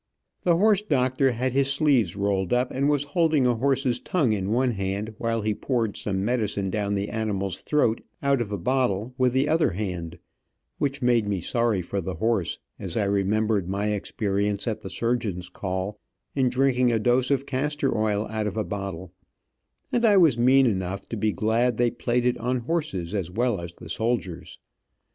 The horse doctor had his sleeves rolled up, and was holding a horse's tongue in one hand while he poured some medicine down the animal's throat out of a bottle with the other hand, which made me sorry for the horse, as I remembered my experience at surgeon's call, in drinking a dose of castor oil out of a bottle, and I was mean enough to be glad they played it on horses as well as the soldiers.